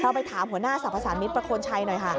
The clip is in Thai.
ไปถามหัวหน้าสรรพสามิตรประโคนชัยหน่อยค่ะ